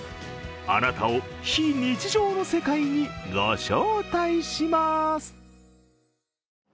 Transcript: あなたを非日常の世界にご招待します。